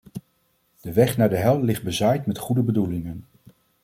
De weg naar de hel ligt bezaaid met goede bedoelingen!